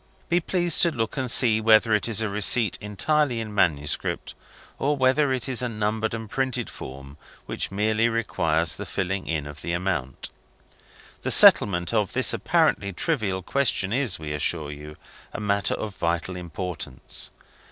Be pleased to look and see whether it is a receipt entirely in manuscript, or whether it is a numbered and printed form which merely requires the filling in of the amount. The settlement of this apparently trivial question is, we assure you, a matter of vital importance.